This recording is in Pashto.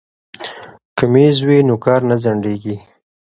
که میز وي نو کار نه ځنډیږي.